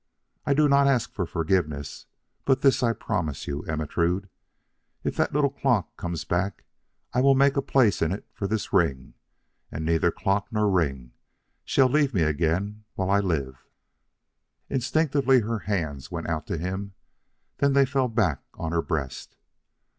I do not ask for forgiveness, but this I promise you, Ermentrude: if the little clock comes back, I will make a place in it for this ring, and neither clock nor ring shall leave me again while I live." Instinctively her hands went out to him, then they fell back on her breast.